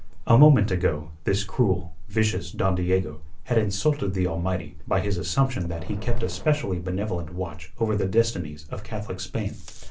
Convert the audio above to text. A moment ago this cruel, vicious Don Diego had insulted the Almighty by his assumption that He kept a specially benevolent watch over the destinies of Catholic Spain.